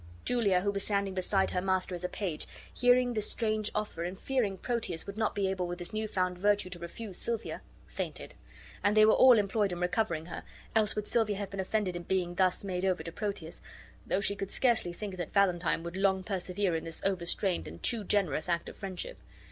Julia, who was standing beside her master as a page, hearing this strange offer, and fearing Proteus would not be able with this new found virtue to refuse Silvia, fainted; and they were all employed in recovering her, else would Silvia have been offended at being thus made over to Proteus, though she could scarcely think that Valentine would long persevere in this overstrained and too generous act of friendship.